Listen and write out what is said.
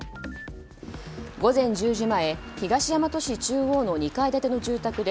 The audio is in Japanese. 午前１０時前東大和市中央の２階建ての住宅で